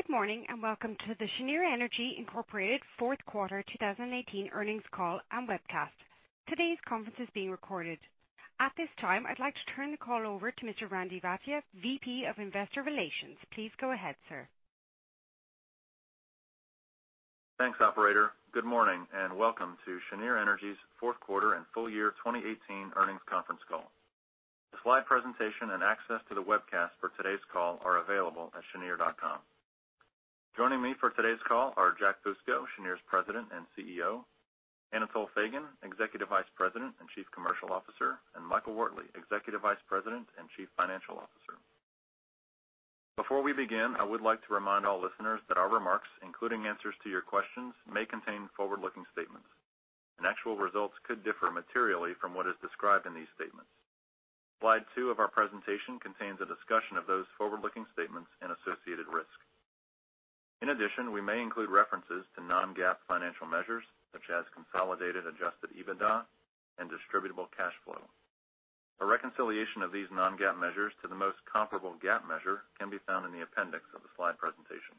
Good morning, and welcome to the Cheniere Energy, Inc. fourth quarter 2018 earnings call and webcast. Today's conference is being recorded. At this time, I'd like to turn the call over to Mr. Randy Bhatia, Vice President, Investor Relations. Please go ahead, sir. Thanks, operator. Good morning, and welcome to Cheniere Energy's fourth quarter and full year 2018 earnings conference call. The slide presentation and access to the webcast for today's call are available at cheniere.com. Joining me for today's call are Jack Fusco, Cheniere's President and Chief Executive Officer; Anatol Feygin, Executive Vice President and Chief Commercial Officer; and Michael Wortley, Executive Vice President and Chief Financial Officer. Before we begin, I would like to remind all listeners that our remarks, including answers to your questions, may contain forward-looking statements, and actual results could differ materially from what is described in these statements. Slide two of our presentation contains a discussion of those forward-looking statements and associated risks. In addition, we may include references to non-GAAP financial measures, such as consolidated adjusted EBITDA and distributable cash flow. A reconciliation of these non-GAAP measures to the most comparable GAAP measure can be found in the appendix of the slide presentation.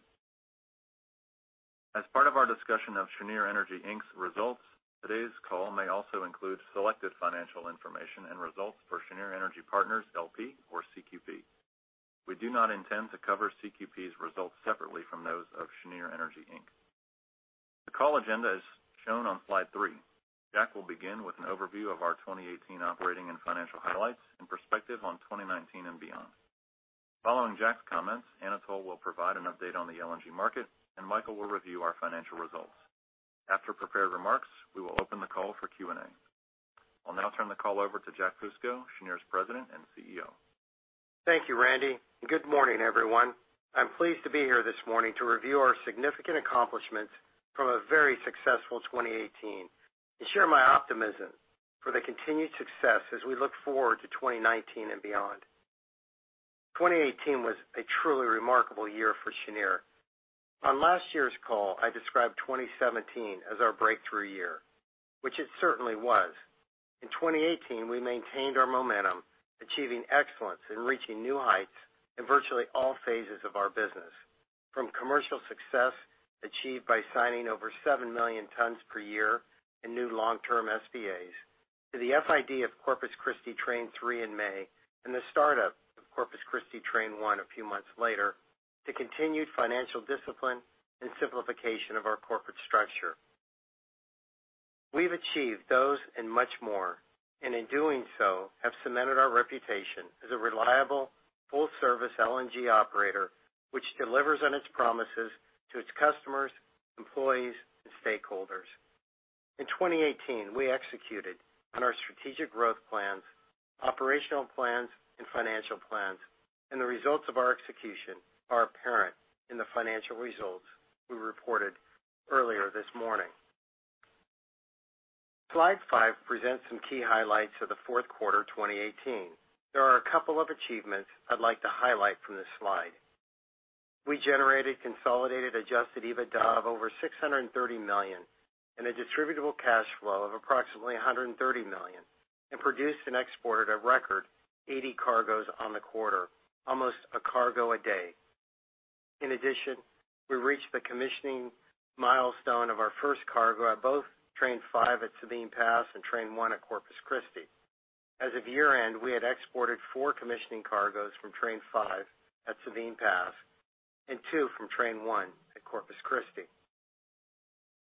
As part of our discussion of Cheniere Energy, Inc.'s results, today's call may also include selected financial information and results for Cheniere Energy Partners, L.P., or CQP. We do not intend to cover CQP's results separately from those of Cheniere Energy, Inc. The call agenda is shown on slide three. Jack will begin with an overview of our 2018 operating and financial highlights and perspective on 2019 and beyond. Following Jack's comments, Anatol will provide an update on the LNG market, and Michael will review our financial results. After prepared remarks, we will open the call for Q&A. I'll now turn the call over to Jack Fusco, Cheniere's President and Chief Executive Officer. Thank you, Randy, and good morning, everyone. I'm pleased to be here this morning to review our significant accomplishments from a very successful 2018 and share my optimism for the continued success as we look forward to 2019 and beyond. 2018 was a truly remarkable year for Cheniere. On last year's call, I described 2017 as our breakthrough year, which it certainly was. In 2018, we maintained our momentum, achieving excellence and reaching new heights in virtually all phases of our business, from commercial success achieved by signing over 7 million tons per year in new long-term SPAs to the FID of Corpus Christi Train 3 in May and the startup of Corpus Christi Train 1 a few months later to continued financial discipline and simplification of our corporate structure. We've achieved those and much more, and in doing so have cemented our reputation as a reliable full-service LNG operator which delivers on its promises to its customers, employees, and stakeholders. In 2018, we executed on our strategic growth plans, operational plans, and financial plans, and the results of our execution are apparent in the financial results we reported earlier this morning. Slide five presents some key highlights of the fourth quarter 2018. There are a couple of achievements I'd like to highlight from this slide. We generated consolidated adjusted EBITDA of over $630 million and a distributable cash flow of approximately $130 million and produced and exported a record 80 cargos on the quarter, almost a cargo a day. In addition, we reached the commissioning milestone of our first cargo at both Train five at Sabine Pass and Train one at Corpus Christi. As of year-end, we had exported four commissioning cargos from Train five at Sabine Pass and two from Train one at Corpus Christi.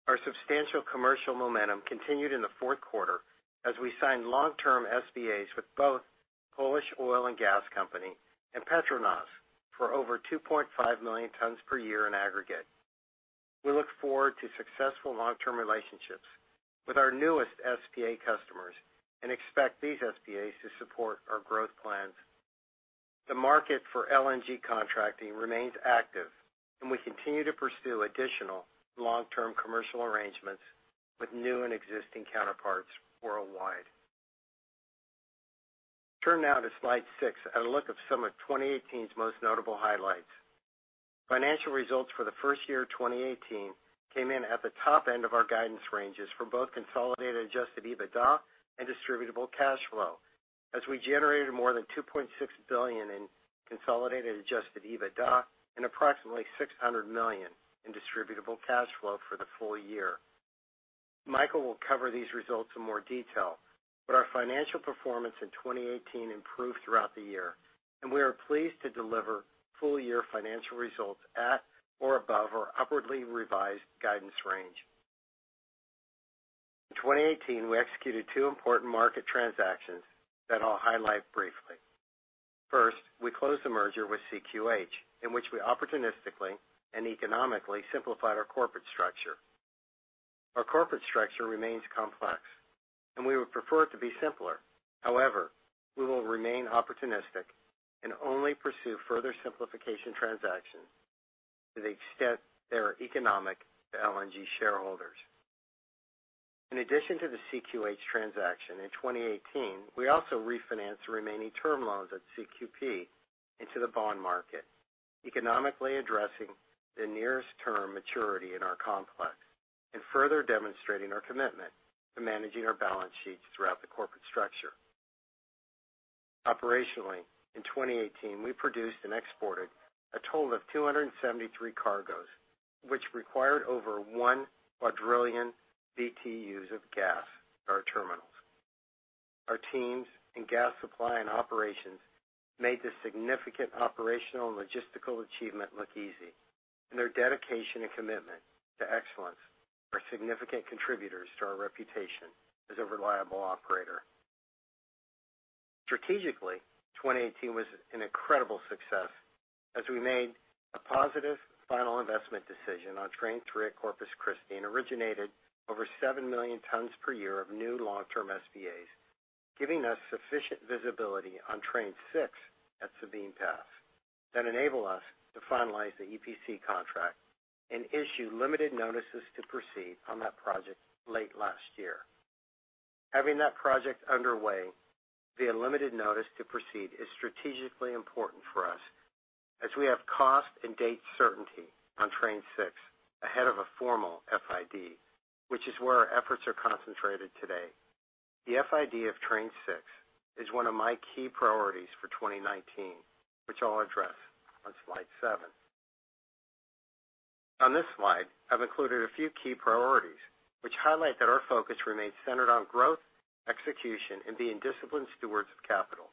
Our substantial commercial momentum continued in the fourth quarter as we signed long-term SPAs with both Polish Oil and Gas Company and PETRONAS for over 2.5 million tons per year in aggregate. We look forward to successful long-term relationships with our newest SPA customers and expect these SPAs to support our growth plans. The market for LNG contracting remains active, and we continue to pursue additional long-term commercial arrangements with new and existing counterparts worldwide. Turn now to slide six at a look of some of 2018's most notable highlights. Financial results for the full year 2018 came in at the top end of our guidance ranges for both consolidated adjusted EBITDA and distributable cash flow as we generated more than $2.6 billion in consolidated adjusted EBITDA and approximately $600 million in distributable cash flow for the full year. Michael will cover these results in more detail, but our financial performance in 2018 improved throughout the year, and we are pleased to deliver full-year financial results at or above our upwardly revised guidance range. In 2018, we executed two important market transactions that I'll highlight briefly. First, we closed the merger with CQH, in which we opportunistically and economically simplified our corporate structure. Our corporate structure remains complex, and we would prefer it to be simpler. However, we will remain opportunistic and only pursue further simplification transactions to the extent they are economic to Cheniere shareholders. In addition to the CQH transaction, in 2018, we also refinanced the remaining term loans at CQP into the bond market, economically addressing the nearest-term maturity in our complex and further demonstrating our commitment to managing our balance sheets throughout the corporate structure. Operationally, in 2018, we produced and exported a total of 273 cargos, which required over one quadrillion BTUs of gas at our terminals. Our teams in gas supply and operations made this significant operational and logistical achievement look easy, and their dedication and commitment to excellence are significant contributors to our reputation as a reliable operator. Strategically, 2018 was an incredible success as we made a positive final investment decision on train 3 at Corpus Christi and originated over 7 million tons per year of new long-term SPAs, giving us sufficient visibility on train 6 at Sabine Pass that enable us to finalize the EPC contract and issue limited notices to proceed on that project late last year. Having that project underway via limited notice to proceed is strategically important for us as we have cost and date certainty on train 6 ahead of a formal FID, which is where our efforts are concentrated today. The FID of train 6 is one of my key priorities for 2019, which I'll address on slide seven. On this slide, I've included a few key priorities which highlight that our focus remains centered on growth, execution, and being disciplined stewards of capital.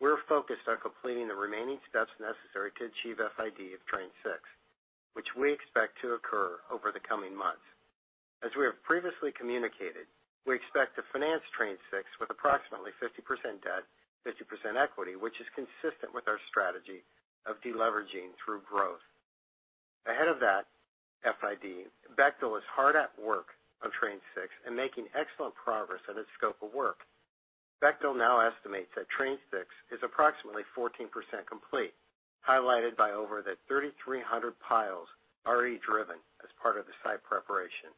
We're focused on completing the remaining steps necessary to achieve FID of train 6, which we expect to occur over the coming months. As we have previously communicated, we expect to finance train 6 with approximately 50% debt, 50% equity, which is consistent with our strategy of de-leveraging through growth. Ahead of that FID, Bechtel is hard at work on train 6 and making excellent progress on its scope of work. Bechtel now estimates that train 6 is approximately 14% complete, highlighted by over the 3,300 piles already driven as part of the site preparation.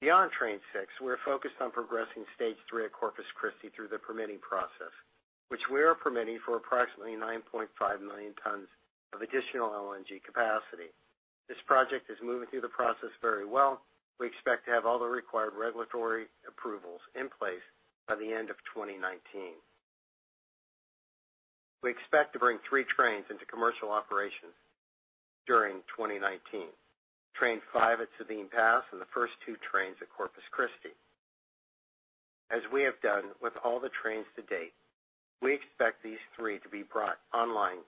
Beyond train 6, we're focused on progressing stage 3 at Corpus Christi through the permitting process, which we are permitting for approximately 9.5 million tons of additional LNG capacity. This project is moving through the process very well. We expect to have all the required regulatory approvals in place by the end of 2019. We expect to bring 3 trains into commercial operation during 2019. Train 5 at Sabine Pass, and the first 2 trains at Corpus Christi. As we have done with all the trains to date, we expect these 3 to be brought online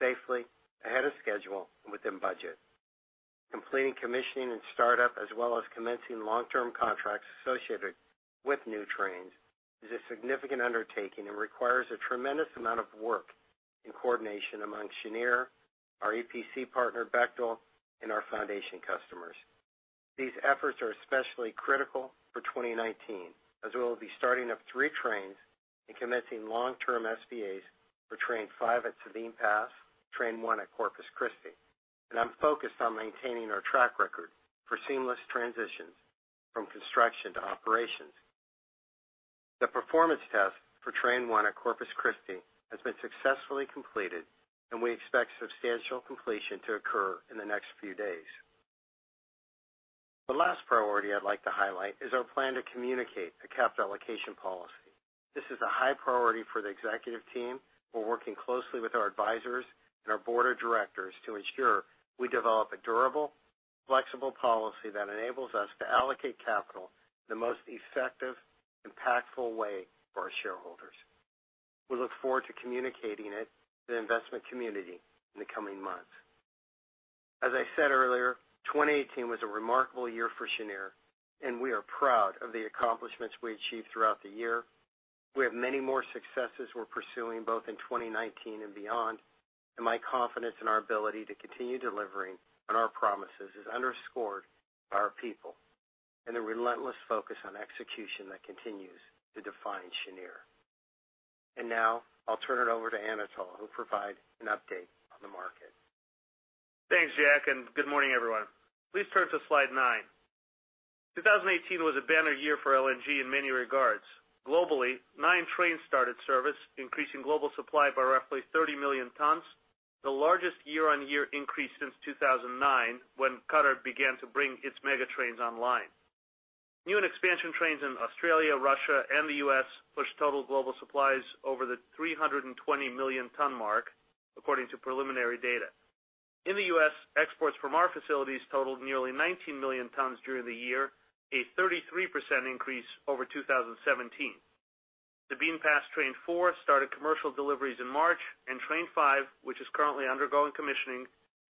safely, ahead of schedule, and within budget. Completing commissioning and startup, as well as commencing long-term contracts associated with new trains, is a significant undertaking and requires a tremendous amount of work and coordination among Cheniere, our EPC partner, Bechtel, and our foundation customers. These efforts are especially critical for 2019, as we will be starting up 3 trains and commencing long-term SPAs for train 5 at Sabine Pass, train 1 at Corpus Christi, and I'm focused on maintaining our track record for seamless transitions from construction to operations. The performance test for train 1 at Corpus Christi has been successfully completed, and we expect substantial completion to occur in the next few days. The last priority I'd like to highlight is our plan to communicate a capital allocation policy. This is a high priority for the executive team. We're working closely with our advisors and our board of directors to ensure we develop a durable, flexible policy that enables us to allocate capital in the most effective, impactful way for our shareholders. We look forward to communicating it to the investment community in the coming months. As I said earlier, 2018 was a remarkable year for Cheniere, and we are proud of the accomplishments we achieved throughout the year. We have many more successes we're pursuing, both in 2019 and beyond, my confidence in our ability to continue delivering on our promises is underscored by our people and the relentless focus on execution that continues to define Cheniere. Now I'll turn it over to Anatol, who'll provide an update on the market. Thanks, Jack. Good morning, everyone. Please turn to slide nine. 2018 was a banner year for LNG in many regards. Globally, nine trains started service, increasing global supply by roughly 30 million tons, the largest year-on-year increase since 2009, when Qatar began to bring its mega trains online. New and expansion trains in Australia, Russia, and the U.S. pushed total global supplies over the 320-million-ton mark, according to preliminary data. In the U.S., exports from our facilities totaled nearly 19 million tons during the year, a 33% increase over 2017. Sabine Pass train 4 started commercial deliveries in March, and train 5, which is currently undergoing commissioning,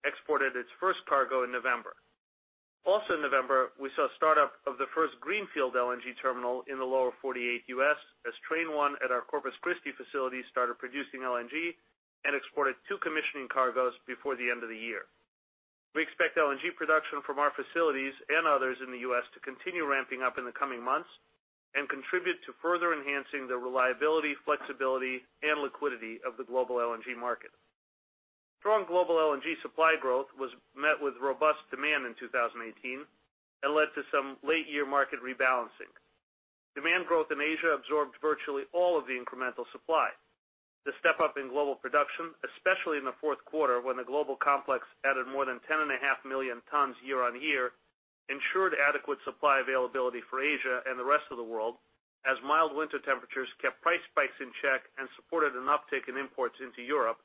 exported its first cargo in November. Also in November, we saw startup of the first greenfield LNG terminal in the lower 48 U.S. as train 1 at our Corpus Christi facility started producing LNG and exported two commissioning cargoes before the end of the year. We expect LNG production from our facilities and others in the U.S. to continue ramping up in the coming months and contribute to further enhancing the reliability, flexibility, and liquidity of the global LNG market. Strong global LNG supply growth was met with robust demand in 2018 and led to some late-year market rebalancing. Demand growth in Asia absorbed virtually all of the incremental supply. The step-up in global production, especially in the fourth quarter when the global complex added more than 10.5 million tons year-on-year, ensured adequate supply availability for Asia and the rest of the world as mild winter temperatures kept price spikes in check and supported an uptick in imports into Europe,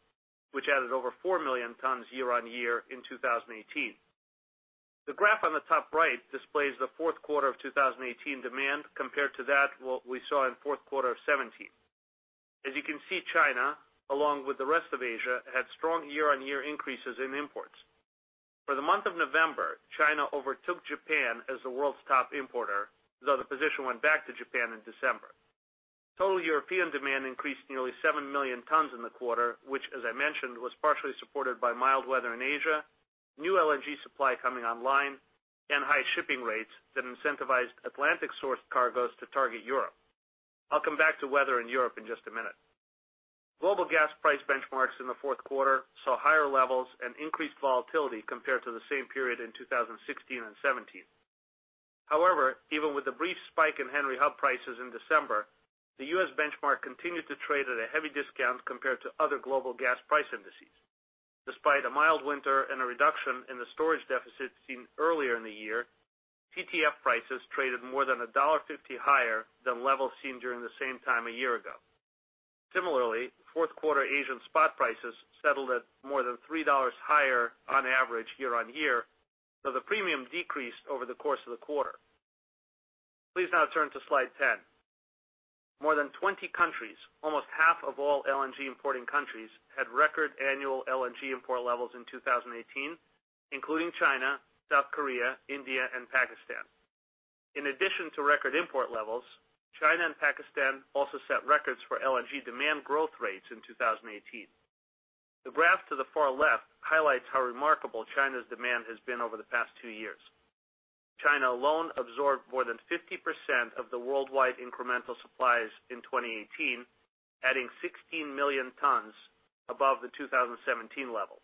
which added over 4 million tons year-on-year in 2018. The graph on the top right displays the fourth quarter of 2018 demand compared to that what we saw in fourth quarter of 2017. As you can see, China, along with the rest of Asia, had strong year-on-year increases in imports. For the month of November, China overtook Japan as the world's top importer, though the position went back to Japan in December. Total European demand increased nearly 7 million tons in the quarter, which as I mentioned, was partially supported by mild weather in Asia, new LNG supply coming online, and high shipping rates that incentivized Atlantic-sourced cargos to target Europe. I will come back to weather in Europe in just a minute. Global gas price benchmarks in the fourth quarter saw higher levels and increased volatility compared to the same period in 2016 and 2017. Even with the brief spike in Henry Hub prices in December, the U.S. benchmark continued to trade at a heavy discount compared to other global gas price indices. Despite a mild winter and a reduction in the storage deficit seen earlier in the year, TTF prices traded more than $1.50 higher than levels seen during the same time a year ago. Similarly, fourth quarter Asian spot prices settled at more than $3 higher on average year-on-year, though the premium decreased over the course of the quarter. Please now turn to slide ten. More than 20 countries, almost half of all LNG importing countries, had record annual LNG import levels in 2018, including China, South Korea, India, and Pakistan. In addition to record import levels, China and Pakistan also set records for LNG demand growth rates in 2018. The graph to the far left highlights how remarkable China's demand has been over the past two years. China alone absorbed more than 50% of the worldwide incremental supplies in 2018, adding 16 million tons above the 2017 level.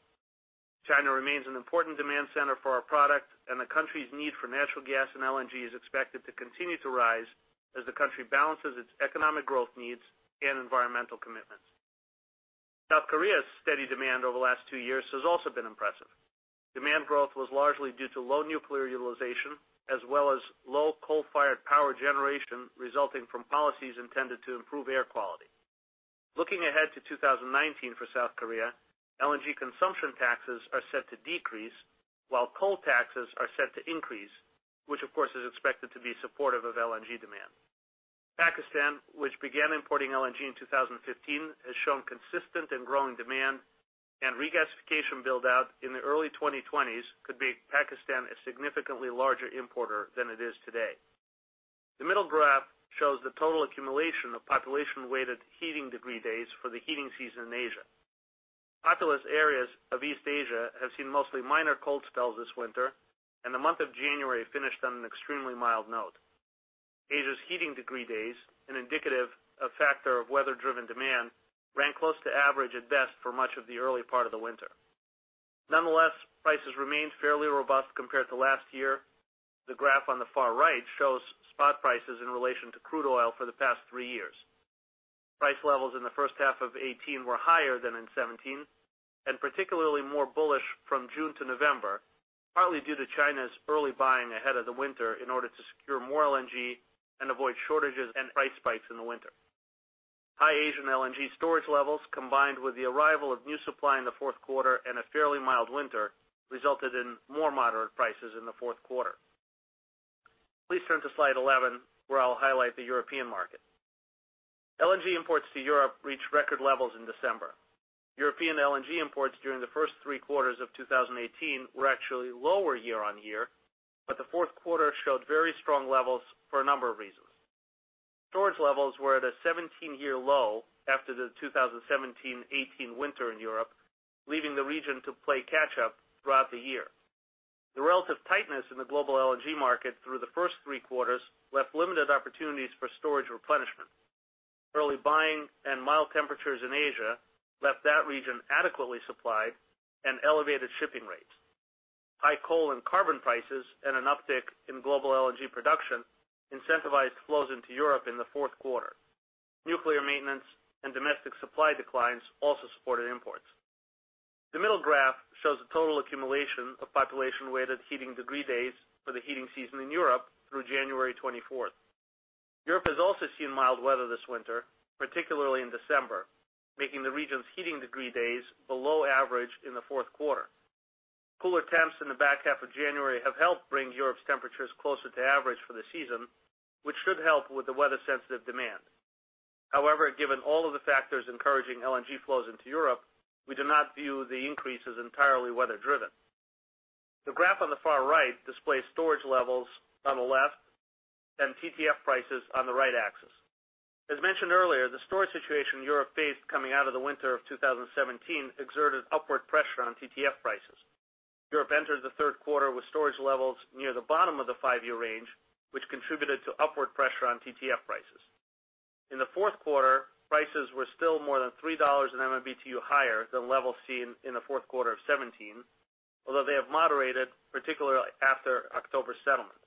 China remains an important demand center for our product, and the country's need for natural gas and LNG is expected to continue to rise as the country balances its economic growth needs and environmental commitments. South Korea's steady demand over the last two years has also been impressive. Demand growth was largely due to low nuclear utilization, as well as low coal-fired power generation resulting from policies intended to improve air quality. Looking ahead to 2019 for South Korea, LNG consumption taxes are set to decrease while coal taxes are set to increase, which of course is expected to be supportive of LNG demand. Pakistan, which began importing LNG in 2015, has shown consistent and growing demand, and regasification build-out in the early 2020s could make Pakistan a significantly larger importer than it is today. The middle graph shows the total accumulation of population-weighted heating degree days for the heating season in Asia. Populous areas of East Asia have seen mostly minor cold spells this winter, and the month of January finished on an extremely mild note. Asia's heating degree days, an indicative factor of weather-driven demand, ran close to average at best for much of the early part of the winter. Nonetheless, prices remained fairly robust compared to last year. The graph on the far right shows spot prices in relation to crude oil for the past three years. Price levels in the first half of 2018 were higher than in 2017, and particularly more bullish from June to November, partly due to China's early buying ahead of the winter in order to secure more LNG and avoid shortages and price spikes in the winter. High Asian LNG storage levels, combined with the arrival of new supply in the fourth quarter and a fairly mild winter, resulted in more moderate prices in the fourth quarter. Please turn to slide 11, where I will highlight the European market. LNG imports to Europe reached record levels in December. European LNG imports during the first three quarters of 2018 were actually lower year-on-year. The fourth quarter showed very strong levels for a number of reasons. Storage levels were at a 17-year low after the 2017-2018 winter in Europe, leaving the region to play catch-up throughout the year. The relative tightness in the global LNG market through the first three quarters left limited opportunities for storage replenishment. Early buying and mild temperatures in Asia left that region adequately supplied and elevated shipping rates. High coal and carbon prices and an uptick in global LNG production incentivized flows into Europe in the fourth quarter. Nuclear maintenance and domestic supply declines also supported imports. The middle graph shows the total accumulation of population-weighted heating degree days for the heating season in Europe through January 24th. Europe has also seen mild weather this winter, particularly in December, making the region's heating degree days below average in the fourth quarter. Cooler temps in the back half of January have helped bring Europe's temperatures closer to average for the season, which should help with the weather-sensitive demand. Given all of the factors encouraging LNG flows into Europe, we do not view the increase as entirely weather-driven. The graph on the far right displays storage levels on the left and TTF prices on the right axis. As mentioned earlier, the storage situation Europe faced coming out of the winter of 2017 exerted upward pressure on TTF prices. Europe entered the third quarter with storage levels near the bottom of the five-year range, which contributed to upward pressure on TTF prices. In the fourth quarter, prices were still more than $3 in MMBtu higher than levels seen in the fourth quarter of 2017, although they have moderated, particularly after October settlement.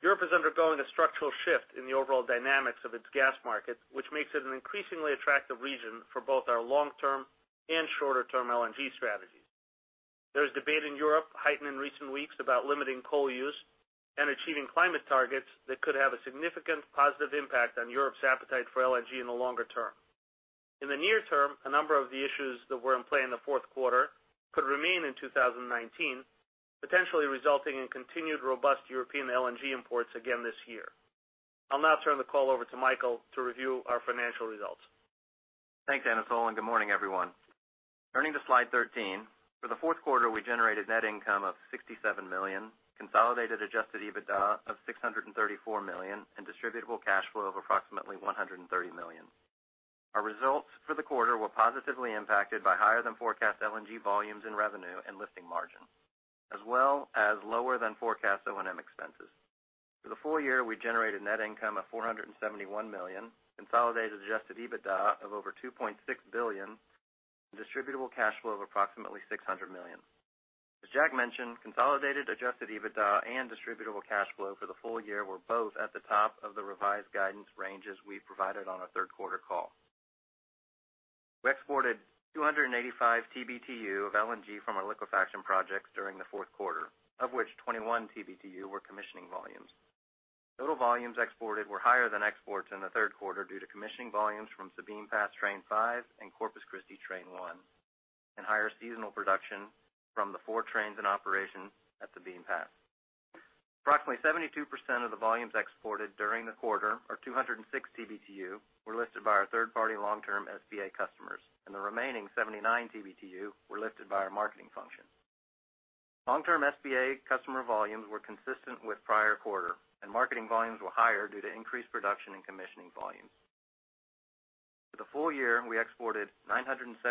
Europe is undergoing a structural shift in the overall dynamics of its gas market, which makes it an increasingly attractive region for both our long-term and shorter-term LNG strategies. There is debate in Europe, heightened in recent weeks, about limiting coal use and achieving climate targets that could have a significant positive impact on Europe's appetite for LNG in the longer term. In the near term, a number of the issues that were in play in the fourth quarter could remain in 2019, potentially resulting in continued robust European LNG imports again this year. I'll now turn the call over to Michael to review our financial results. Thanks, Anatol, and good morning, everyone. Turning to Slide 13, for the fourth quarter, we generated net income of $67 million, consolidated adjusted EBITDA of $634 million, and distributable cash flow of approximately $130 million. Our results for the quarter were positively impacted by higher than forecast LNG volumes in revenue and lifting margin, as well as lower than forecast O&M expenses. For the full year, we generated net income of $471 million, consolidated adjusted EBITDA of over $2.6 billion, and distributable cash flow of approximately $600 million. As Jack mentioned, consolidated adjusted EBITDA and distributable cash flow for the full year were both at the top of the revised guidance ranges we provided on our third quarter call. We exported 285 TBTU of LNG from our liquefaction projects during the fourth quarter, of which 21 TBTU were commissioning volumes. Total volumes exported were higher than exports in the third quarter due to commissioning volumes from Sabine Pass Train 5 and Corpus Christi Train 1, and higher seasonal production from the 4 trains in operation at Sabine Pass. Approximately 72% of the volumes exported during the quarter, or 206 TBTU, were lifted by our third-party long-term SPA customers, and the remaining 79 TBTU were lifted by our marketing function. Long-term SPA customer volumes were consistent with prior quarter, and marketing volumes were higher due to increased production and commissioning volumes. For the full year, we exported 976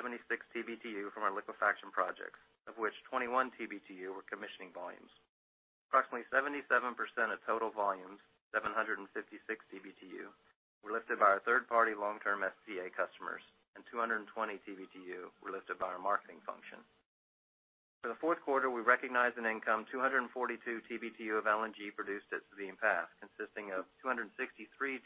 TBTU from our liquefaction projects, of which 21 TBTU were commissioning volumes. Approximately 77% of total volumes, 756 TBTU, were lifted by our third-party long-term SPA customers, and 220 TBTU were lifted by our marketing function. For the fourth quarter, we recognized an income 242 TBTU of LNG produced at Sabine Pass, consisting of 263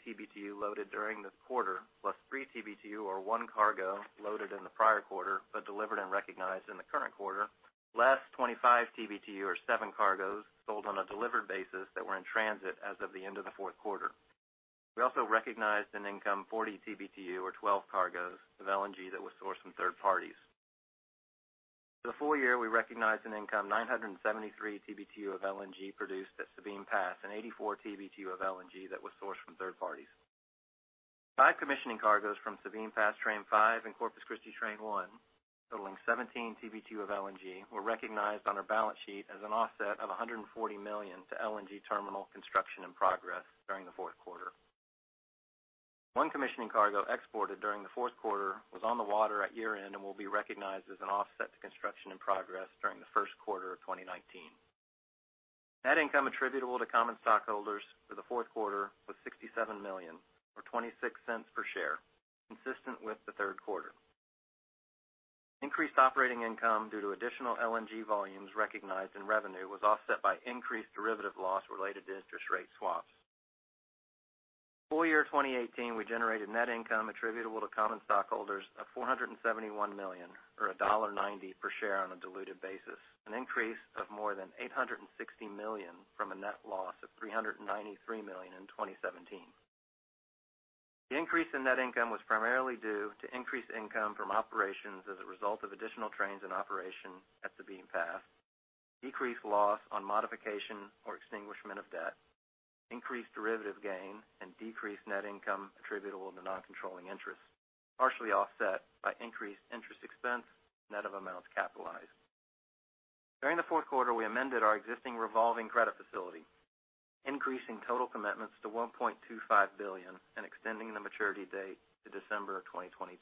TBTU loaded during this quarter, plus 3 TBTU or 1 cargo loaded in the prior quarter, but delivered and recognized in the current quarter, less 25 TBTU or 7 cargoes sold on a delivered basis that were in transit as of the end of the fourth quarter. We also recognized an income 40 TBTU or 12 cargoes of LNG that was sourced from third parties. For the full year, we recognized an income 973 TBTU of LNG produced at Sabine Pass and 84 TBTU of LNG that was sourced from third parties. 5 commissioning cargoes from Sabine Pass Train 5 and Corpus Christi Train 1, totaling 17 TBTU of LNG, were recognized on our balance sheet as an offset of $140 million to LNG terminal construction in progress during the fourth quarter. 1 commissioning cargo exported during the fourth quarter was on the water at year-end and will be recognized as an offset to construction in progress during the first quarter of 2019. Net income attributable to common stockholders for the fourth quarter was $67 million, or $0.26 per share, consistent with the third quarter. Increased operating income due to additional LNG volumes recognized in revenue was offset by increased derivative loss related to interest rate swaps. Full year 2018, we generated net income attributable to common stockholders of $471 million or $1.90 per share on a diluted basis, an increase of more than $860 million from a net loss of $393 million in 2017. The increase in net income was primarily due to increased income from operations as a result of additional trains in operation at Sabine Pass, decreased loss on modification or extinguishment of debt, increased derivative gain, and decreased net income attributable to non-controlling interests, partially offset by increased interest expense, net of amounts capitalized. During the fourth quarter, we amended our existing revolving credit facility, increasing total commitments to $1.25 billion and extending the maturity date to December of 2022.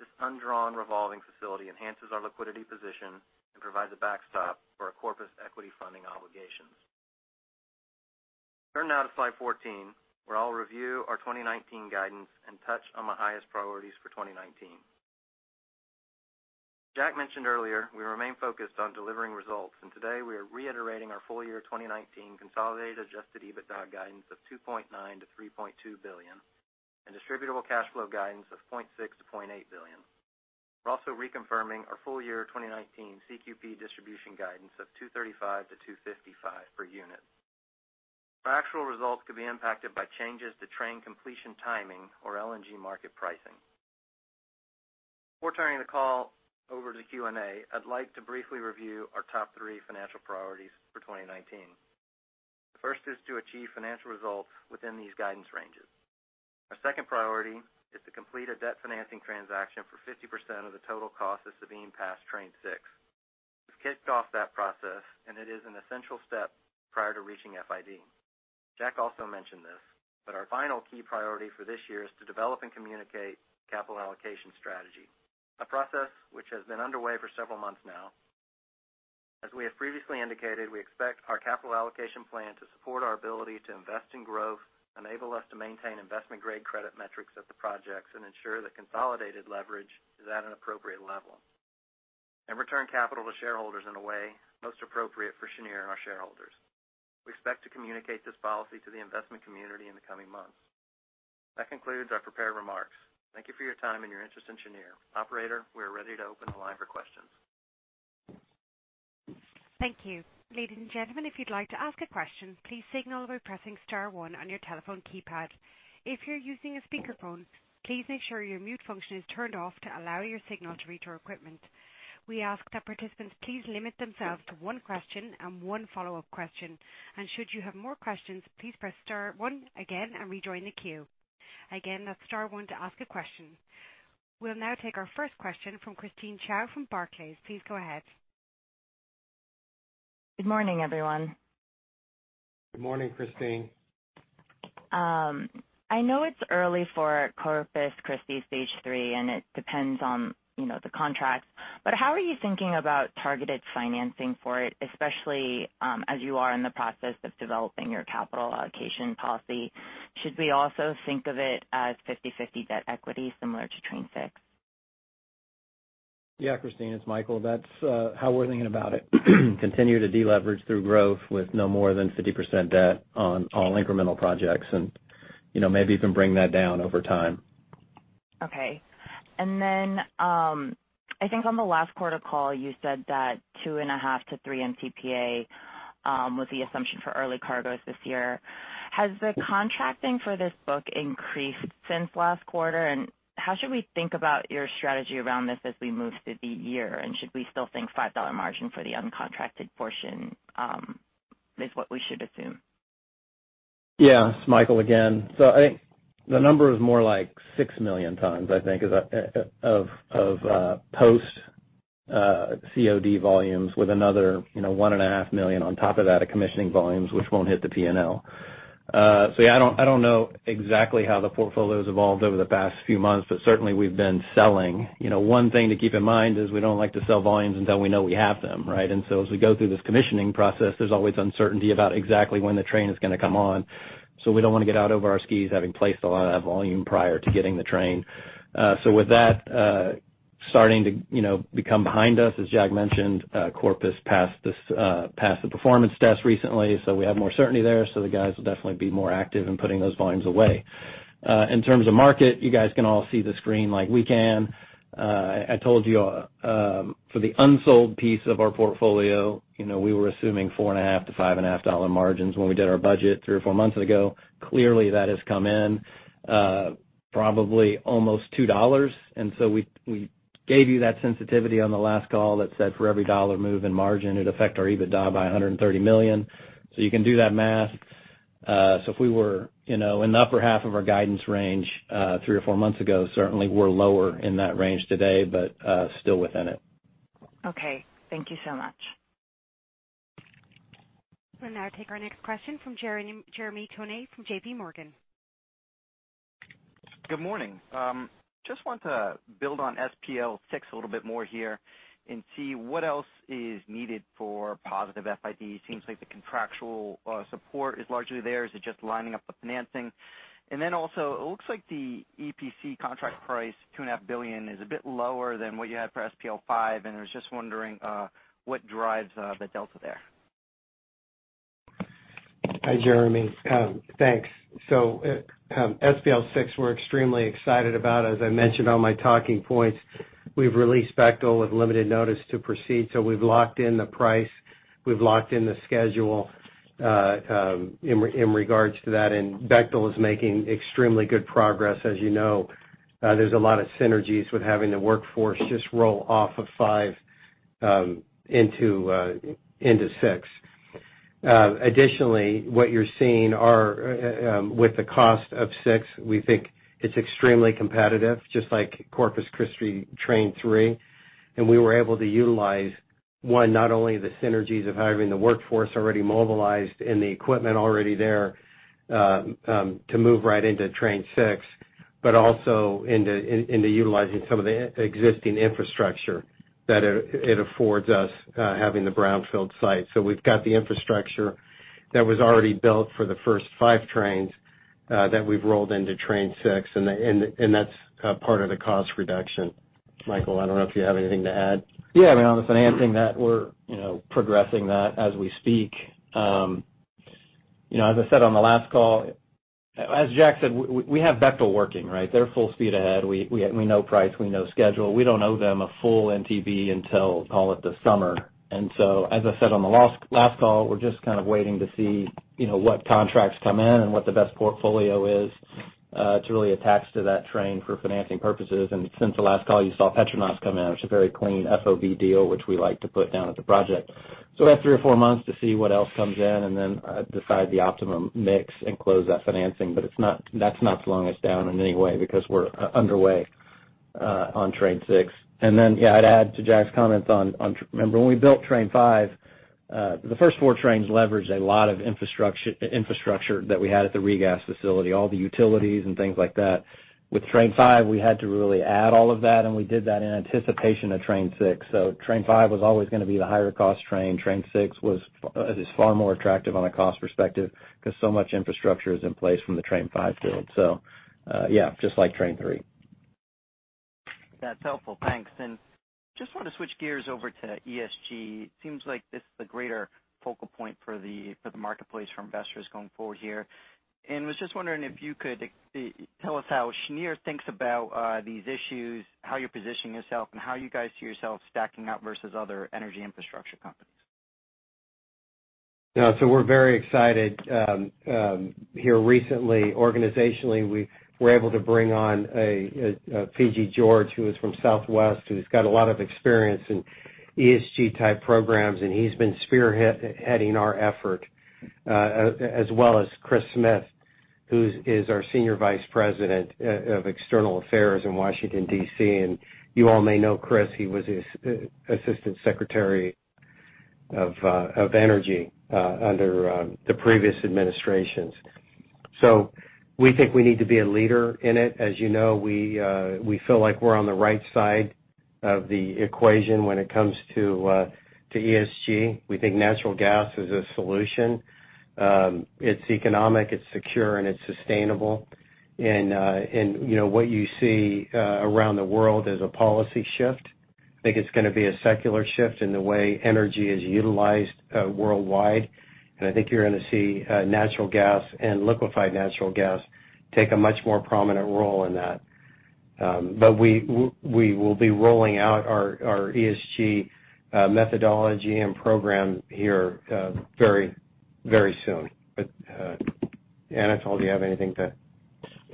This undrawn revolving facility enhances our liquidity position and provides a backstop for our Corpus equity funding obligations. Turn now to Slide 14, where I'll review our 2019 guidance and touch on my highest priorities for 2019. Jack mentioned earlier we remain focused on delivering results, and today we are reiterating our full-year 2019 consolidated adjusted EBITDA guidance of $2.9 billion-$3.2 billion and distributable cash flow guidance of $0.6 billion-$0.8 billion. We're also reconfirming our full-year 2019 CQP distribution guidance of $2.35-$2.55 per unit. Our actual results could be impacted by changes to train completion timing or LNG market pricing. Before turning the call over to Q&A, I'd like to briefly review our top three financial priorities for 2019. The first is to achieve financial results within these guidance ranges. Our second priority is to complete a debt financing transaction for 50% of the total cost of Sabine Pass Train six. We've kicked off that process, and it is an essential step prior to reaching FID. Jack also mentioned this, but our final key priority for this year is to develop and communicate capital allocation strategy, a process which has been underway for several months now. As we have previously indicated, we expect our capital allocation plan to support our ability to invest in growth, enable us to maintain investment-grade credit metrics at the projects, and ensure that consolidated leverage is at an appropriate level. Return capital to shareholders in a way most appropriate for Cheniere and our shareholders. We expect to communicate this policy to the investment community in the coming months. That concludes our prepared remarks. Thank you for your time and your interest in Cheniere. Operator, we are ready to open the line for questions. Thank you. Ladies and gentlemen, if you'd like to ask a question, please signal by pressing star one on your telephone keypad. If you're using a speakerphone, please make sure your mute function is turned off to allow your signal to reach our equipment. We ask that participants please limit themselves to one question and one follow-up question. Should you have more questions, please press star one again and rejoin the queue. Again, that's star one to ask a question. We'll now take our first question from Theresa Chen from Barclays. Please go ahead. Good morning, everyone. Good morning, Christine. I know it's early for Corpus Christi stage 3, and it depends on the contract, but how are you thinking about targeted financing for it, especially as you are in the process of developing your capital allocation policy? Should we also think of it as 50/50 debt equity similar to Train 6? Yeah, Christine, it's Michael. That's how we're thinking about it. Continue to deleverage through growth with no more than 50% debt on all incremental projects and maybe even bring that down over time. Okay. I think on the last quarter call you said that 2.5-3 MTPA, with the assumption for early cargoes this year. Has the contracting for this book increased since last quarter? How should we think about your strategy around this as we move through the year? Should we still think $5 margin for the uncontracted portion, is what we should assume? It's Michael again. I think the number is more like 6 million tons, I think, of post-COD volumes with another 1.5 million on top of that of commissioning volumes, which won't hit the P&L. I don't know exactly how the portfolio's evolved over the past few months, but certainly we've been selling. One thing to keep in mind is we don't like to sell volumes until we know we have them, right? As we go through this commissioning process, there's always uncertainty about exactly when the train is gonna come on. We don't wanna get out over our skis, having placed a lot of that volume prior to getting the train. With that starting to become behind us, as Jack mentioned, Corpus passed the performance test recently, we have more certainty there. The guys will definitely be more active in putting those volumes away. In terms of market, you guys can all see the screen like we can. I told you, for the unsold piece of our portfolio, we were assuming $4.50-$5.50 margins when we did our budget three or four months ago. Clearly, that has come in probably almost $2. We gave you that sensitivity on the last call that said for every dollar move in margin, it'd affect our EBITDA by $130 million. You can do that math. If we were in the upper half of our guidance range, three or four months ago, certainly we're lower in that range today, but still within it. Okay. Thank you so much. We'll now take our next question from Jeremy Tonet from JPMorgan. Good morning. Just want to build on SPL 6 a little bit more here and see what else is needed for positive FID. Seems like the contractual support is largely there. Is it just lining up the financing? Also, it looks like the EPC contract price, two and a half billion, is a bit lower than what you had for SPL 5. I was just wondering what drives the delta there. Hi, Jeremy. Thanks. SPL 6, we're extremely excited about. As I mentioned on my talking points, we've released Bechtel with limited notice to proceed. We've locked in the price, we've locked in the schedule, in regards to that. Bechtel is making extremely good progress. As you know, there's a lot of synergies with having the workforce just roll off of 5 into 6. Additionally, what you're seeing with the cost of 6, we think it's extremely competitive, just like Corpus Christi Train 3. We were able to utilize, one, not only the synergies of having the workforce already mobilized and the equipment already there to move right into Train 6, but also into utilizing some of the existing infrastructure that it affords us, having the brownfield site. We've got the infrastructure that was already built for the first 5 trains, that we've rolled into Train 6, and that's part of the cost reduction. Michael, I don't know if you have anything to add. On the financing that we're progressing that as we speak. As Jack said, we have Bechtel working, right? They're full speed ahead. We know price, we know schedule. We don't owe them a full NTP until, call it the summer. As I said on the last call, we're just kind of waiting to see what contracts come in and what the best portfolio is to really attach to that train for financing purposes. Since the last call, you saw PETRONAS come in, which is a very clean FOB deal, which we like to put down at the project. We have three or four months to see what else comes in and then decide the optimum mix and close that financing. That's not slowing us down in any way because we're underway on Train 6. Yeah, I'd add to Jack's comments on, remember when we built Train 5, the first four trains leveraged a lot of infrastructure that we had at the regas facility, all the utilities and things like that. With Train 5, we had to really add all of that, and we did that in anticipation of Train 6. Train 5 was always gonna be the higher cost train. Train 6 is far more attractive on a cost perspective because so much infrastructure is in place from the Train 5 build. Yeah, just like Train 3. That's helpful. Thanks. Just want to switch gears over to ESG. Seems like this is a greater focal point for the marketplace for investors going forward here. Was just wondering if you could tell us how Cheniere thinks about these issues, how you're positioning yourself, and how you guys see yourself stacking up versus other energy infrastructure companies. Yeah. We're very excited. Here recently, organizationally, we were able to bring on Fiji George, who is from Southwest, who's got a lot of experience in ESG-type programs, and he's been spearheading our effort. As well as Christopher Smith, who is our Senior Vice President of External Affairs in Washington, D.C. You all may know Chris, he was Assistant Secretary of Energy under the previous administrations. We think we need to be a leader in it. As you know, we feel like we're on the right side of the equation when it comes to ESG. We think natural gas is a solution. It's economic, it's secure, and it's sustainable. What you see around the world is a policy shift. I think it's going to be a secular shift in the way energy is utilized worldwide. I think you're going to see natural gas and liquefied natural gas take a much more prominent role in that. We will be rolling out our ESG methodology and program here very soon. Anatol, do you have anything to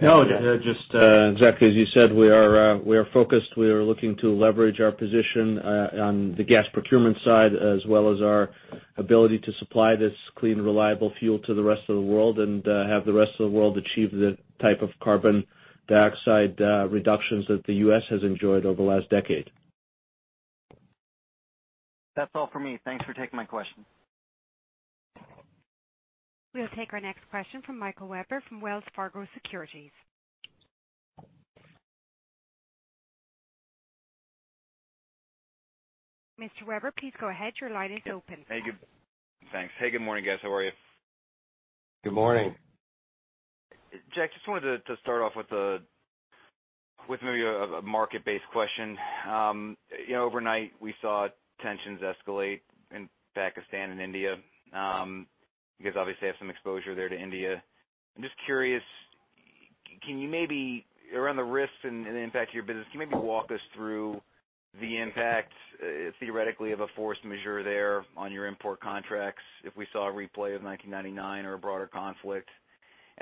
add? No, just exactly as you said, we are focused. We are looking to leverage our position on the gas procurement side as well as our ability to supply this clean, reliable fuel to the rest of the world, and have the rest of the world achieve the type of carbon dioxide reductions that the U.S. has enjoyed over the last decade. That's all for me. Thanks for taking my question. We'll take our next question from Michael Weber from Wells Fargo Securities. Mr. Weber, please go ahead. Your line is open. Thank you. Thanks. Hey, good morning, guys. How are you? Good morning. Jack, just wanted to start off with maybe a market-based question. Overnight we saw tensions escalate in Pakistan and India. You guys obviously have some exposure there to India. I'm just curious, around the risks and the impact to your business, can you maybe walk us through the impact, theoretically, of a force majeure there on your import contracts if we saw a replay of 1999 or a broader conflict?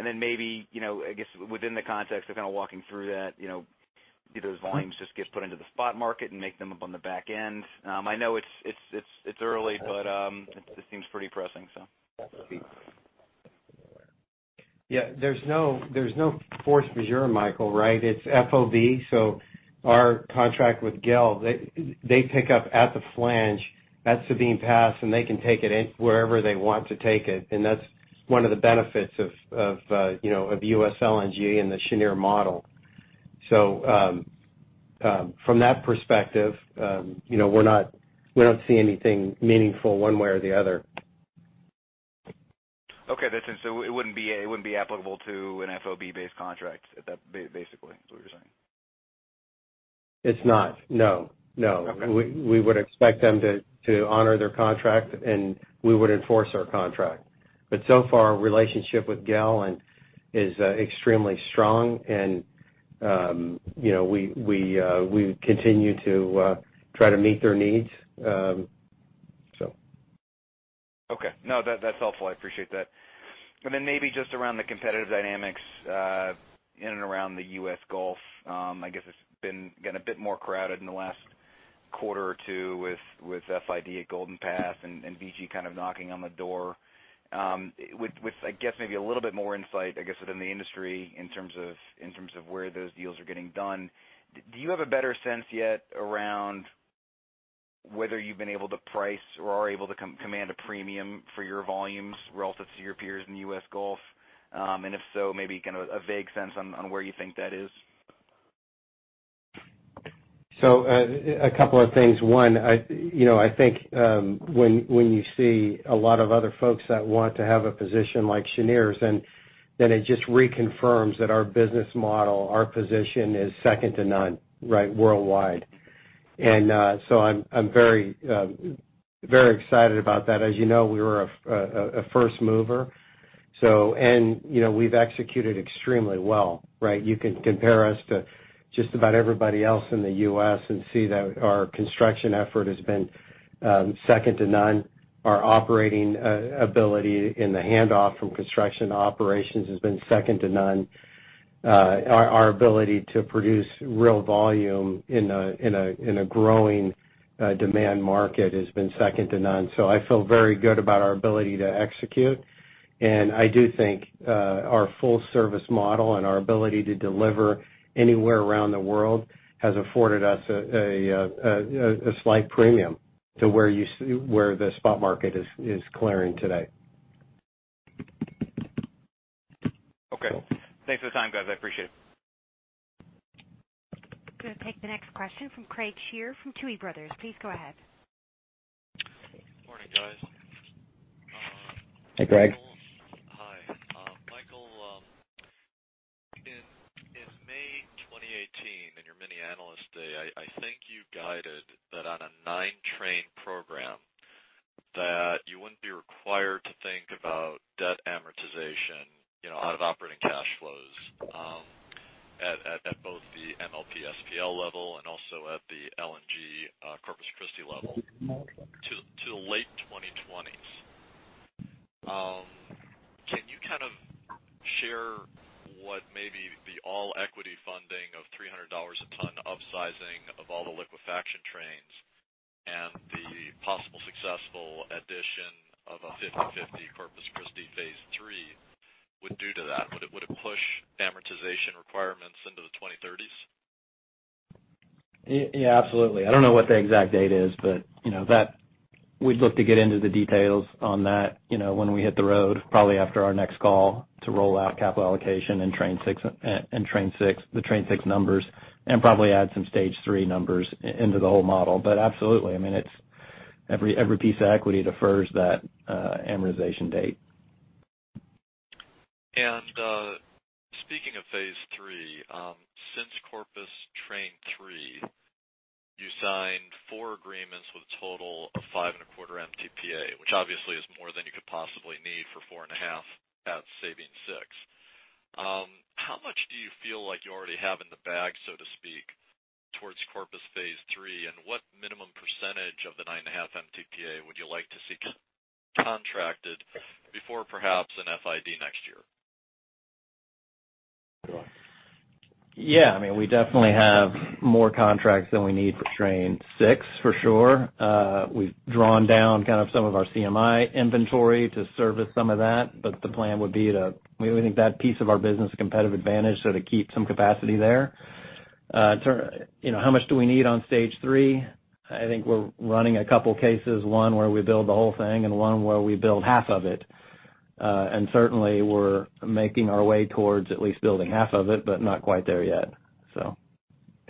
Maybe, I guess within the context of kind of walking through that, do those volumes just get put into the spot market and make them up on the back end? I know it's early, but it seems pretty pressing. Yeah. There's no force majeure, Michael, right? It's FOB. Our contract with GAIL, they pick up at the flange at Sabine Pass, and they can take it wherever they want to take it. That's one of the benefits of U.S. LNG and the Cheniere model. From that perspective, we don't see anything meaningful one way or the other. Okay. Listen, it wouldn't be applicable to an FOB-based contract basically, is what you're saying? It's not, no. Okay. We would expect them to honor their contract, we would enforce our contract. So far, our relationship with GAIL is extremely strong and we continue to try to meet their needs. Okay. No, that's helpful. I appreciate that. Maybe just around the competitive dynamics in and around the U.S. Gulf. It's been getting a bit more crowded in the last quarter or two with FID at Golden Pass and BG kind of knocking on the door. With, maybe a little bit more insight, within the industry in terms of where those deals are getting done, do you have a better sense yet around whether you've been able to price or are able to command a premium for your volumes relative to your peers in the U.S. Gulf? If so, maybe kind of a vague sense on where you think that is? A couple of things. One, I think when you see a lot of other folks that want to have a position like Cheniere's, then it just reconfirms that our business model, our position is second to none, worldwide. I'm very excited about that. As you know, we were a first mover. We've executed extremely well, right? You can compare us to just about everybody else in the U.S. and see that our construction effort has been second to none. Our operating ability in the handoff from construction to operations has been second to none. Our ability to produce real volume in a growing demand market has been second to none. I feel very good about our ability to execute, and I do think our full-service model and our ability to deliver anywhere around the world has afforded us a slight premium to where the spot market is clearing today. Okay. Thanks for the time, guys. I appreciate it. Going to take the next question from Craig Shere from Tuohy Brothers. Please go ahead. Hey, Craig. Hi. Michael, in May 2018, in your mini Analyst Day, I think you guided that on a 9-train program, that you wouldn't be required to think about debt amortization out of operating cash flows at both the MLP SPL level and also at the LNG Corpus Christi level to the late 2020s. Can you share what maybe the all-equity funding of $300 a ton upsizing of all the liquefaction trains and the possible successful addition of a 50/50 Corpus Christi phase 3 would do to that? Would it push amortization requirements into the 2030s? Absolutely. I don't know what the exact date is, we'd look to get into the details on that when we hit the road, probably after our next call to roll out capital allocation and the train 6 numbers, and probably add some stage 3 numbers into the whole model. Absolutely. Every piece of equity defers that amortization date. Speaking of phase 3, since Corpus train 3, you signed four agreements with a total of five and a quarter MTPA, which obviously is more than you could possibly need for four and a half without Sabine 6. How much do you feel like you already have in the bag, so to speak, towards Corpus phase 3? What minimum percentage of the nine and a half MTPA would you like to see contracted before perhaps an FID next year? We definitely have more contracts than we need for train 6, for sure. We've drawn down some of our CMI inventory to service some of that. We think that piece of our business is a competitive advantage, so to keep some capacity there. How much do we need on stage 3? I think we're running a couple cases, one where we build the whole thing and one where we build half of it. Certainly, we're making our way towards at least building half of it, not quite there yet.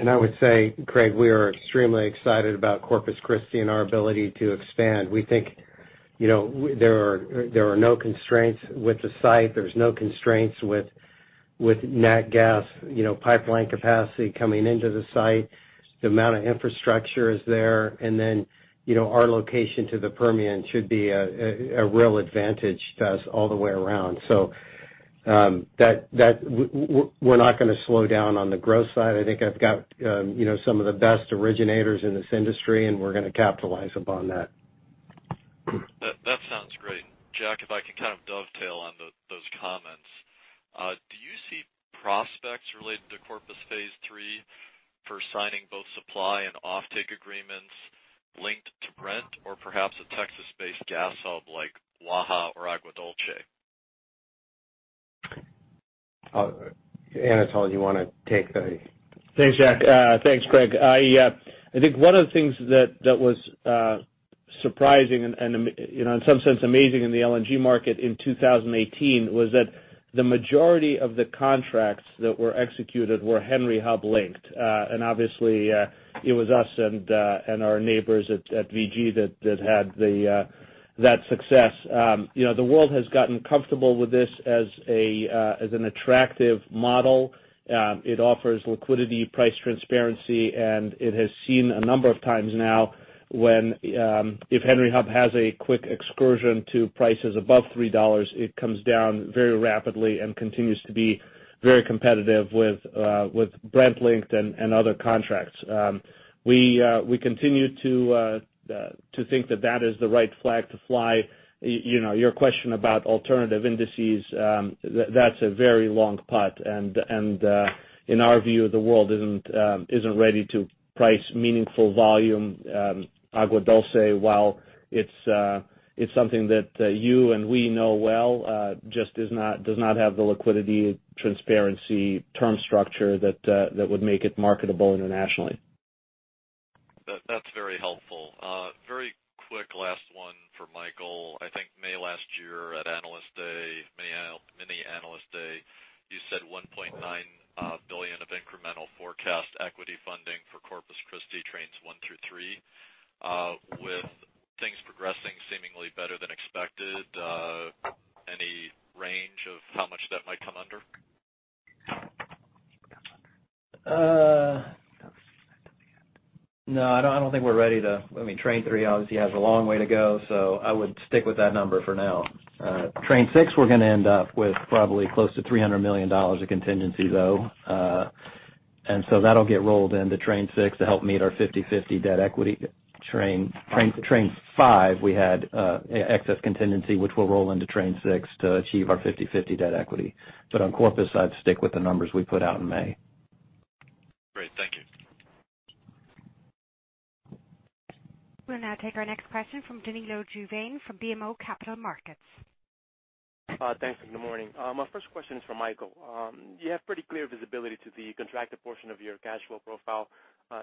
I would say, Greg, we are extremely excited about Corpus Christi and our ability to expand. We think there are no constraints with the site. There's no constraints with nat gas pipeline capacity coming into the site. The amount of infrastructure is there, then our location to the Permian should be a real advantage to us all the way around. We're not going to slow down on the growth side. I think I've got some of the best originators in this industry, and we're going to capitalize upon that. That sounds great. Jack, if I can dovetail on those comments. Do you see prospects related to Corpus phase 3 for signing both supply and offtake agreements linked to Brent or perhaps a Texas-based gas hub like Waha or Agua Dulce? Anatol, you want to take. Thanks, Jack. Thanks, Greg. I think one of the things that was surprising and in some sense amazing in the LNG market in 2018 was that the majority of the contracts that were executed were Henry Hub linked. Obviously, it was us and our neighbors at VG that had that success. The world has gotten comfortable with this as an attractive model. It offers liquidity, price transparency, and it has seen a number of times now when if Henry Hub has a quick excursion to prices above $3, it comes down very rapidly and continues to be very competitive with Brent linked and other contracts. We continue to think that that is the right flag to fly. Your question about alternative indices, that's a very long putt, and in our view, the world isn't ready to price meaningful volume. Agua Dulce, while it's something that you and we know well, just does not have the liquidity, transparency, term structure that would make it marketable internationally. That's very helpful. Very quick last one for Michael. I think May last year at mini Analyst Day, you said $1.9 billion of incremental forecast equity funding for Corpus Christi trains 1 through 3. With things progressing seemingly better than expected, any range of how much that might come under? No, I don't think we're ready to. Train 3 obviously has a long way to go, so I would stick with that number for now. Train 6, we're going to end up with probably close to $300 million of contingency, though. That'll get rolled into Train 6 to help meet our 50/50 debt equity. Train 5, we had excess contingency, which we'll roll into Train 6 to achieve our 50/50 debt equity. On Corpus, I'd stick with the numbers we put out in May. Great. Thank you. We'll now take our next question from Danilo Juvane from BMO Capital Markets. Thanks, good morning. My first question is for Michael. You have pretty clear visibility to the contracted portion of your cash flow profile.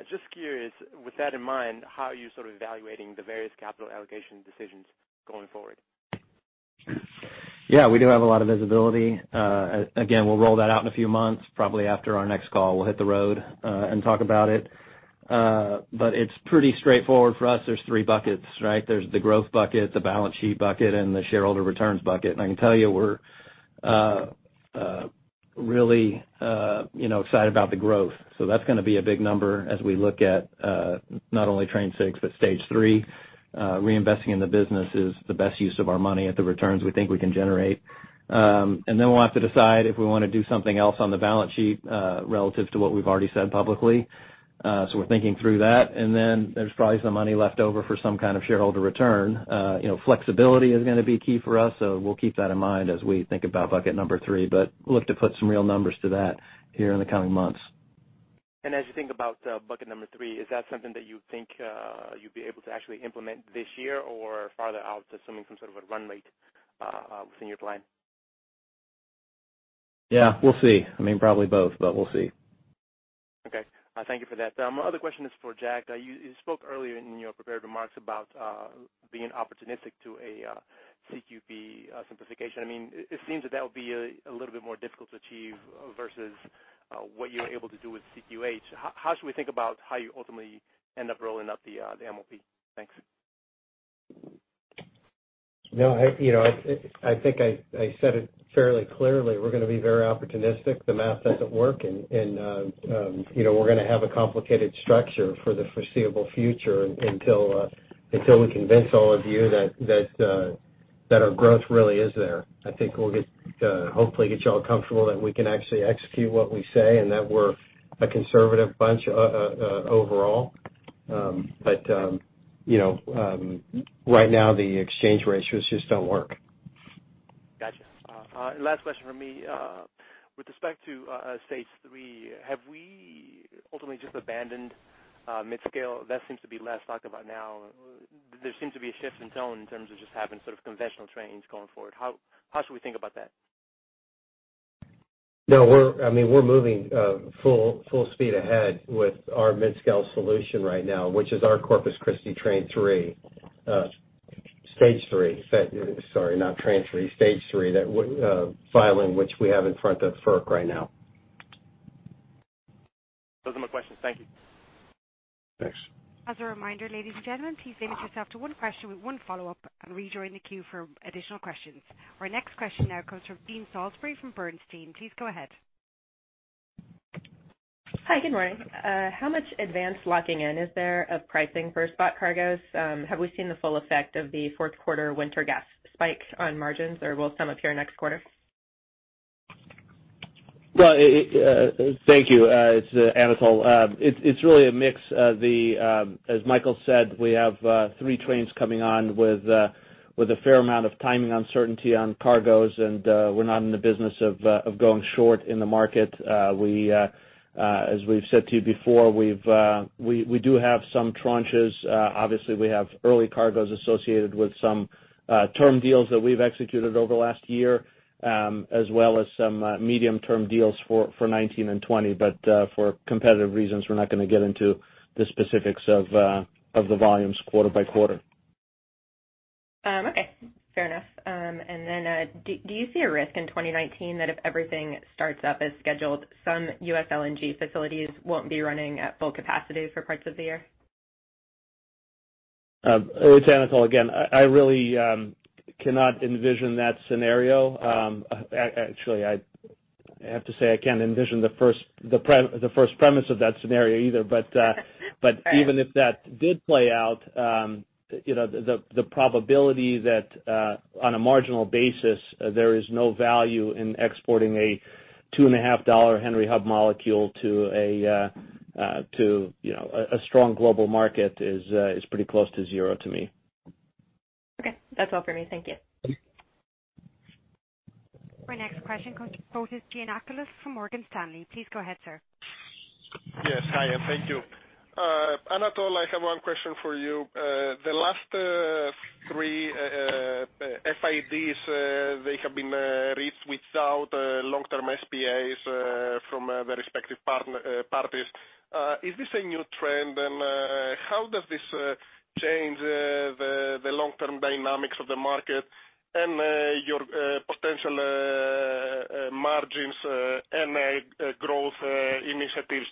Just curious, with that in mind, how are you evaluating the various capital allocation decisions going forward? Yeah, we do have a lot of visibility. Again, we'll roll that out in a few months, probably after our next call. We'll hit the road and talk about it. But it's pretty straightforward for us. There's three buckets, right? There's the growth bucket, the balance sheet bucket, and the shareholder returns bucket. I can tell you, we're really excited about the growth. That's going to be a big number as we look at not only Train 6, but Stage 3. Reinvesting in the business is the best use of our money at the returns we think we can generate. Then we'll have to decide if we want to do something else on the balance sheet, relative to what we've already said publicly. We're thinking through that. Then there's probably some money left over for some kind of shareholder return. Flexibility is going to be key for us, we'll keep that in mind as we think about bucket number 3. Look to put some real numbers to that here in the coming months. As you think about bucket number 3, is that something that you think you'd be able to actually implement this year or farther out, assuming some sort of a run rate within your plan? Yeah, we'll see. Probably both, but we'll see. Okay. Thank you for that. My other question is for Jack. You spoke earlier in your prepared remarks about being opportunistic to a CQP simplification. It seems that would be a little bit more difficult to achieve versus what you were able to do with CQH. How should we think about how you ultimately end up rolling out the MLP? Thanks. No, I think I said it fairly clearly. We're going to be very opportunistic. The math doesn't work, and we're going to have a complicated structure for the foreseeable future until we convince all of you that our growth really is there. I think we'll hopefully get you all comfortable that we can actually execute what we say and that we're a conservative bunch overall. Right now the exchange ratios just don't work. Got you. Last question from me. With respect to Stage 3, have we ultimately just abandoned mid-scale? That seems to be less talked about now. There seems to be a shift in tone in terms of just having sort of conventional trains going forward. How should we think about that? No. We're moving full speed ahead with our mid-scale solution right now, which is our Corpus Christi Train 3, Stage 3. Sorry, not Train 3, Stage 3. That filing, which we have in front of FERC right now. Those are my questions. Thank you. Thanks. As a reminder, ladies and gentlemen, please limit yourself to one question with one follow-up and rejoin the queue for additional questions. Our next question now comes from Jean Ann Salisbury from Bernstein. Please go ahead. Hi, good morning. How much advance locking in is there of pricing for spot cargoes? Have we seen the full effect of the fourth quarter winter gas spike on margins, or will some appear next quarter? Well, thank you. It's Anatol. It's really a mix. As Michael said, we have three trains coming on with a fair amount of timing uncertainty on cargoes, and we're not in the business of going short in the market. As we've said to you before, we do have some tranches. Obviously, we have early cargoes associated with some term deals that we've executed over the last year as well as some medium-term deals for 2019 and 2020. For competitive reasons, we're not going to get into the specifics of the volumes quarter by quarter. Okay, fair enough. Do you see a risk in 2019 that if everything starts up as scheduled, some U.S. LNG facilities won't be running at full capacity for parts of the year? It's Anatol again. I really cannot envision that scenario. Actually, I have to say I can't envision the first premise of that scenario either. All right. Even if that did play out, the probability that on a marginal basis, there is no value in exporting a $2.5 Henry Hub molecule to a strong global market is pretty close to zero to me. Okay. That's all for me. Thank you. Thank you. Our next question comes from Fotis Giannakoulis from Morgan Stanley. Please go ahead, sir. Yes, hi, thank you. Anatol, I have one question for you. The last three FIDs, they have been reached without long-term SPAs from the respective parties. Is this a new trend, and how does this change the long-term dynamics of the market and your potential margins and growth initiatives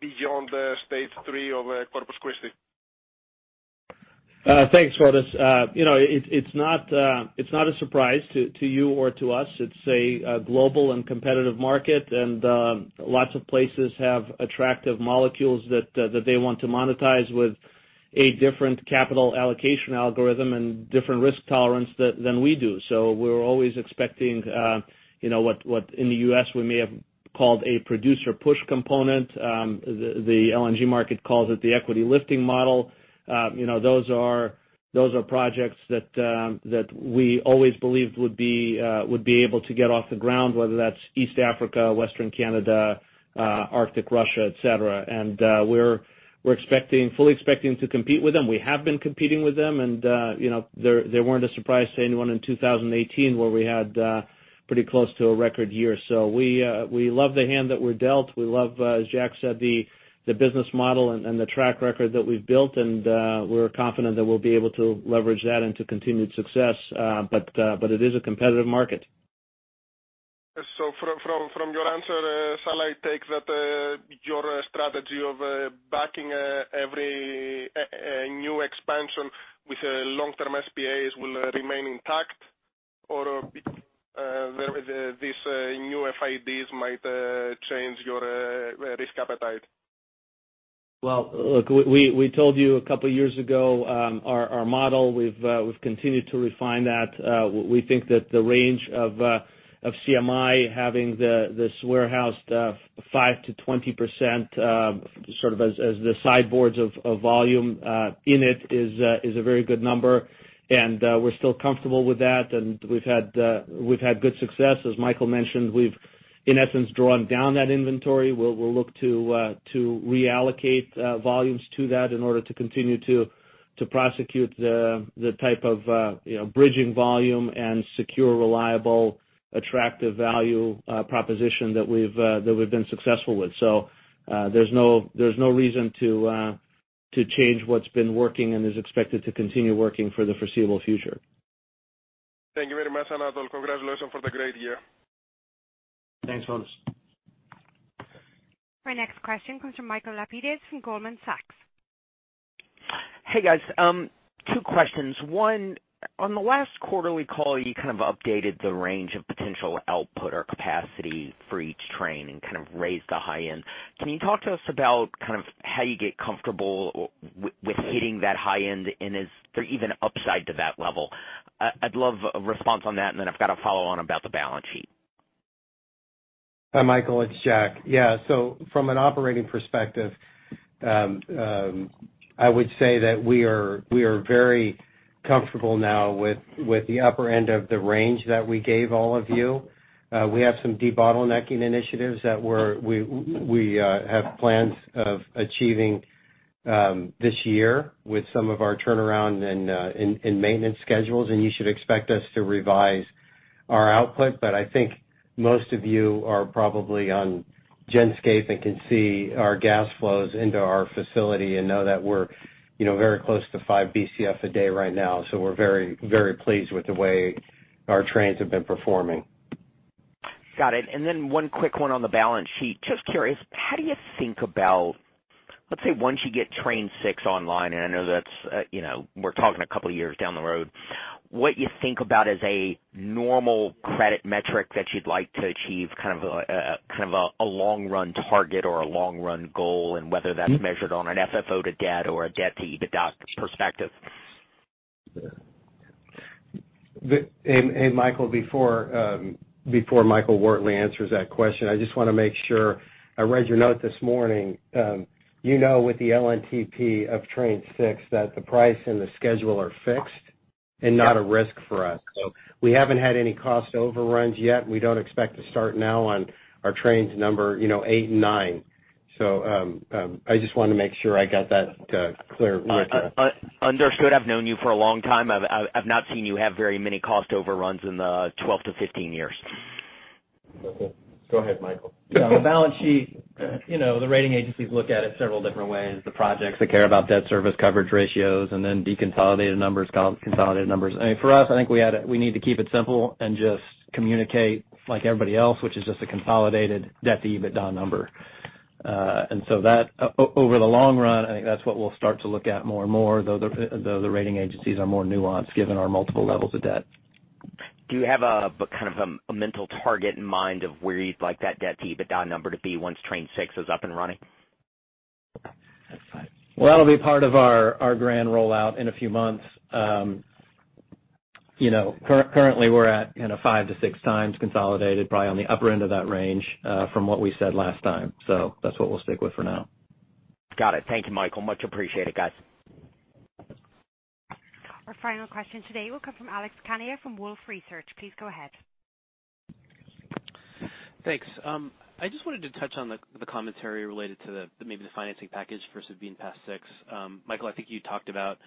beyond Stage 3 of Corpus Christi? Thanks, Fotis. It's not a surprise to you or to us. It's a global and competitive market, lots of places have attractive molecules that they want to monetize with a different capital allocation algorithm and different risk tolerance than we do. We're always expecting what in the U.S. we may have called a producer push component. The LNG market calls it the equity lifting model. Those are projects that we always believed would be able to get off the ground, whether that's East Africa, Western Canada, Arctic Russia, et cetera. We're fully expecting to compete with them. We have been competing with them, They weren't a surprise to anyone in 2018, where we had pretty close to a record year. We love the hand that we're dealt. We love, as Jack said, the business model and the track record that we've built, We're confident that we'll be able to leverage that into continued success. It is a competitive market. From your answer, shall I take that your strategy of backing every new expansion with long-term SPAs will remain intact? Or these new FIDs might change your risk appetite? Well, look, we told you a couple of years ago our model. We've continued to refine that. We think that the range of CMI having this warehoused 5%-20%, sort of as the sideboards of volume in it, is a very good number, and we're still comfortable with that. We've had good success. As Michael mentioned, we've, in essence, drawn down that inventory. We'll look to reallocate volumes to that in order to continue to prosecute the type of bridging volume and secure, reliable, attractive value proposition that we've been successful with. There's no reason to change what's been working and is expected to continue working for the foreseeable future. Thank you very much, Anatol. Congratulations on the great year. Thanks, Fotis. Our next question comes from Michael Lapides from Goldman Sachs. Hey, guys. Two questions. One, on the last quarterly call, you kind of updated the range of potential output or capacity for each train and kind of raised the high end. Can you talk to us about kind of how you get comfortable with hitting that high end and is there even upside to that level? I'd love a response on that, and then I've got a follow on about the balance sheet. Hi, Michael, it's Jack. Yeah, from an operating perspective, I would say that we are very comfortable now with the upper end of the range that we gave all of you. We have some debottlenecking initiatives that we have plans of achieving this year with some of our turnaround and maintenance schedules, and you should expect us to revise our output. I think most of you are probably on Genscape and can see our gas flows into our facility and know that we're very close to 5 BCF a day right now. We're very pleased with the way our trains have been performing. Got it. One quick one on the balance sheet. Just curious, how do you think about, let's say, once you get train 6 online, and I know we're talking a couple of years down the road, what you think about as a normal credit metric that you'd like to achieve, kind of a long run target or a long run goal, and whether that's measured on an FFO to debt or a debt to EBITDA perspective? Michael, before Michael Wortley answers that question, I just want to make sure. I read your note this morning. You know with the LNTP of train 6 that the price and the schedule are fixed and not a risk for us. We haven't had any cost overruns yet. We don't expect to start now on our trains number 8 and 9. I just wanted to make sure I got that clear with you. Understood. I've known you for a long time. I've not seen you have very many cost overruns in the 12-15 years. Okay. Go ahead, Michael. The balance sheet, the rating agencies look at it several different ways. The projects that care about debt service coverage ratios and then deconsolidated numbers, consolidated numbers. I think for us, I think we need to keep it simple and just communicate like everybody else, which is just a consolidated debt to EBITDA number. That, over the long run, I think that's what we'll start to look at more and more, though the rating agencies are more nuanced given our multiple levels of debt. Do you have a kind of a mental target in mind of where you'd like that debt to EBITDA number to be once Train 6 is up and running? That's fine. That'll be part of our grand rollout in a few months. Currently we're at five to six times consolidated, probably on the upper end of that range, from what we said last time. That's what we'll stick with for now. Got it. Thank you, Michael. Much appreciated, guys. Our final question today will come from Alex Kania from Wolfe Research. Please go ahead. Thanks. I just wanted to touch on the commentary related to maybe the financing package for Sabine Pass 6. Michael, I think you talked about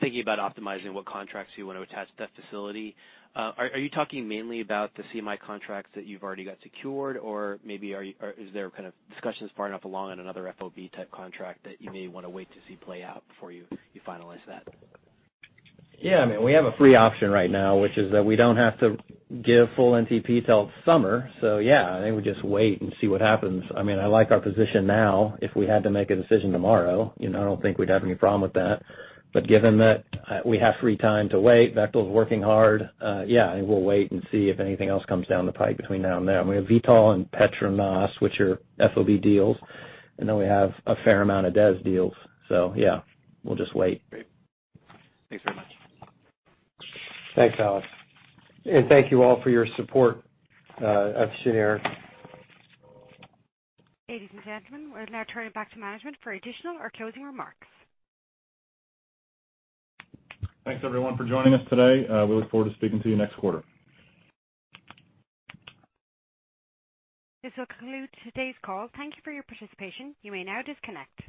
thinking about optimizing what contracts you want to attach to that facility. Are you talking mainly about the CMI contracts that you've already got secured, or maybe is there kind of discussions far enough along on another FOB type contract that you may want to wait to see play out before you finalize that? Yeah. I mean, we have a free option right now, which is that we don't have to give full NTP till summer. Yeah, I think we just wait and see what happens. I mean, I like our position now. If we had to make a decision tomorrow, I don't think we'd have any problem with that. Given that we have free time to wait, Bechtel's working hard. Yeah, I think we'll wait and see if anything else comes down the pipe between now and then. We have Vitol and PETRONAS, which are FOB deals, and then we have a fair amount of DES deals. Yeah, we'll just wait. Great. Thanks very much. Thanks, Alex. Thank you all for your support of Cheniere. Ladies and gentlemen, we'll now turn it back to management for additional or closing remarks. Thanks, everyone, for joining us today. We look forward to speaking to you next quarter. This will conclude today's call. Thank you for your participation. You may now disconnect.